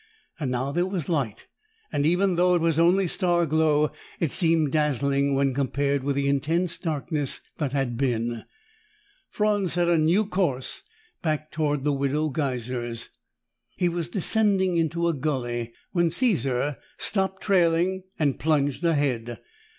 Now there was light, and, even though it was only star glow, it seemed dazzling when compared with the intense darkness that had been. Franz set a new course, back toward the Widow Geiser's. He was descending into a gulley when Caesar stopped trailing and plunged ahead.